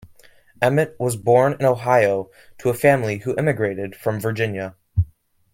Emmett was born in Ohio to a family who immigrated from Virginia.